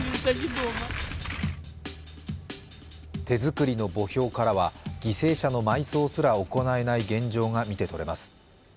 手作りの墓標からは犠牲者の埋葬すら行えない現状が見て取れます。